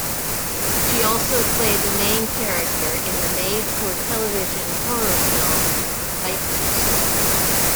She also played the main character in the made-for-television horror film "Vipers".